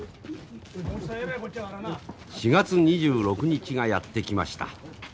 ４月２６日がやって来ました。